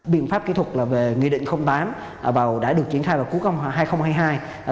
biện pháp kỹ thuật về nghị định tám đã được triển khai vào cuối năm hai nghìn hai mươi hai